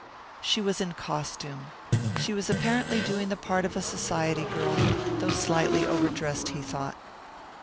She was in costume. She was apparently doing the part of a society girl, though slightly overdressed, he thought.